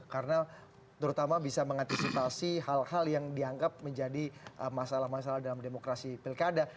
karena terutama bisa mengantisipasi hal hal yang dianggap menjadi masalah masalah dalam demokrasi pilkada